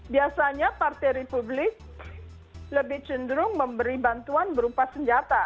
biasanya partai republik lebih cenderung memberi bantuan berupa senjata